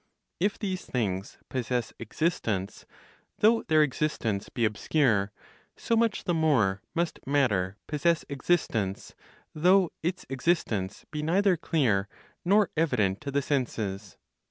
If these things possess existence, though their existence be obscure, so much the more must matter possess existence, though its existence be neither clear nor evident to the senses.